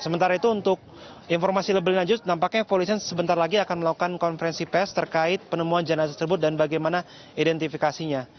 sementara itu untuk informasi lebih lanjut nampaknya polisian sebentar lagi akan melakukan konferensi pes terkait penemuan jenazah tersebut dan bagaimana identifikasinya